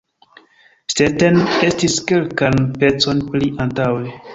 Stetten estis kelkan pecon pli antaŭe.